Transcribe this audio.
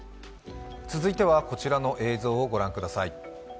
続いてはこちらの映像を御覧ください。